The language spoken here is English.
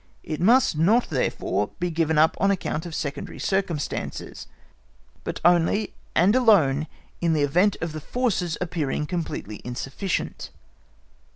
It must not, therefore, be given up on account of secondary circumstances, but only and alone in the event of the forces appearing completely insufficient.